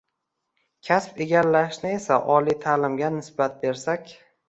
kasb egallashni esa oliy ta’limga nisbat bersak